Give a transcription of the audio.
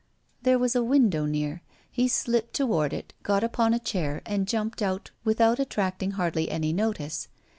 There was a window near. He slipped toward it, got upon a chair, and jumped out without attracting hardly any notice.